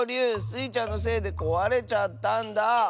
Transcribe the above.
スイちゃんのせいでこわれちゃったんだ。